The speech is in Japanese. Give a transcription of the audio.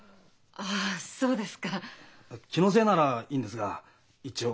あそうですか。気のせいならいいんですが一応。